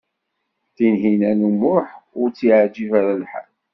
Tinhinan u Muḥ ur tt-yeɛjib ara lḥal.